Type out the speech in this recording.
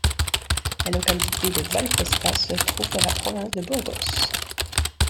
La localité de Valpuesta se trouve dans la province de Burgos.